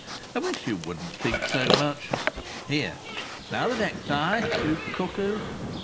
I wish you wouldn't think so much. Here! Now the necktie, you cuckoo!"